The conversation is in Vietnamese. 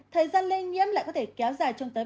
thời gian lây nhiễm lại có thể kéo dài trong tới